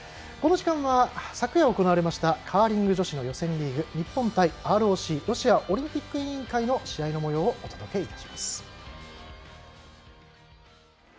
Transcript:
この時間は昨夜行われましたカーリング女子の予選リーグ日本対ＲＯＣ＝ロシアオリンピック委員会の試合のもようをお届けいたします。